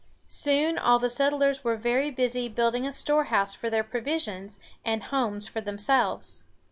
Soon all the settlers were very busy building a storehouse for their provisions, and homes for themselves.